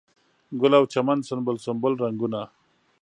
ګل او چمن سنبل، سنبل رنګونه